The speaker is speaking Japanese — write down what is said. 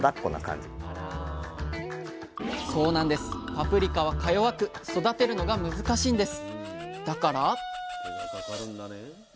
パプリカはか弱く育てるのが難しいんです。